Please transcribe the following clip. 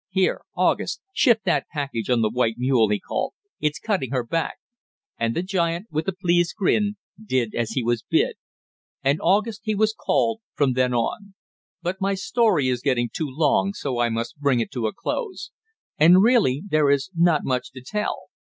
Here, August, shift that package on the white mule," he called, "it's cutting her back," and the giant, with a pleased grin, did as he was bid. And August he was called from then on. But my story is getting too long, so I must bring it to a close. And really there is not much to tell.